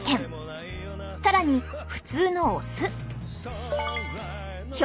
更に普通のお酢。